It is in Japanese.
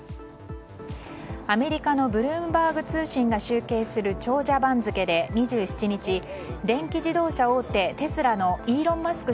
アメリカのブルームバーグ通信が集計する長者番付で２７日電気自動車大手テスラのイーロン・マスク